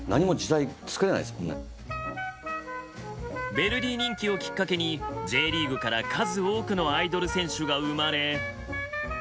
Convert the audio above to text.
ヴェルディ人気をきっかけにＪリーグから数多くのアイドル選手が生まれ。